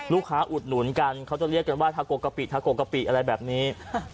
อุดหนุนกันเขาจะเรียกกันว่าทาโกกะปิทาโกกะปิอะไรแบบนี้